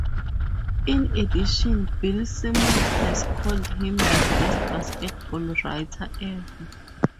In addition Bill Simmons has called him the best basketball writer ever.